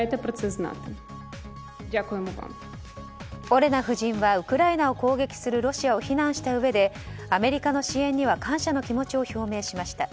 オレナ夫人はウクライナを攻撃するロシアを非難したうえでアメリカの支援には感謝の気持ちを表明しました。